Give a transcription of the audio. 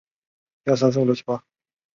中华民国成立后去世。